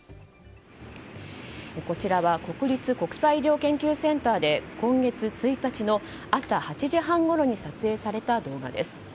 こちらは国立国際医療研究センターで今月１日の朝８時半ごろに撮影された動画です。